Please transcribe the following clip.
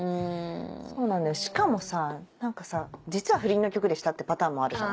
そうなんだよしかもさ実は不倫の曲でしたってパターンもあるじゃん？